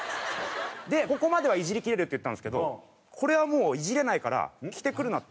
でここまではイジりきれるって言ったんですけどこれはもうイジれないから着てくるなって。